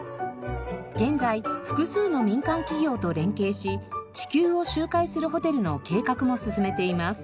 現在複数の民間企業と連携し地球を周回するホテルの計画も進めています。